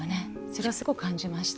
それはすごい感じました。